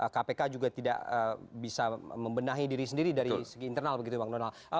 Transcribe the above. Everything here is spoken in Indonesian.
kpk juga tidak bisa membenahi diri sendiri dari segi internal begitu bang donald